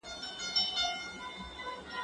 هغه وويل چي سينه سپين مهمه ده!؟